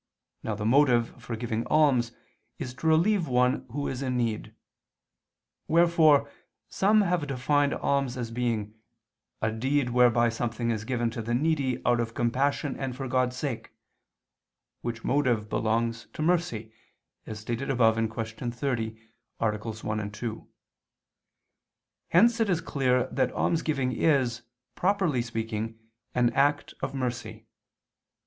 Now the motive for giving alms is to relieve one who is in need. Wherefore some have defined alms as being "a deed whereby something is given to the needy, out of compassion and for God's sake," which motive belongs to mercy, as stated above (Q. 30, AA. 1, 2). Hence it is clear that almsgiving is, properly speaking, an act of mercy.